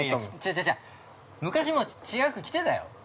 ◆いやいや、昔も違う服着てたよ。